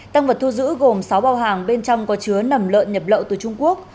tăng vật thu giữ gồm sáu bao hàng bên trong có chứa nầm lợn nhập lậu từ trung quốc